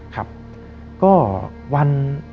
ก็วัน